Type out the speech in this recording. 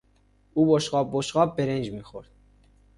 او بشقاب بشقاب برنج میخورد.